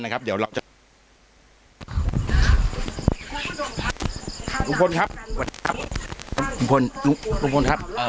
สวัสดีครับลุงพล